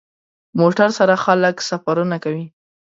موټر سره خلک سفرونه کوي.